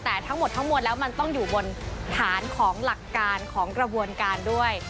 แต่ทั้งหมดทั้งมวลแล้วมันต้องอยู่บนฐานของหลักการของกระบวนการด้วย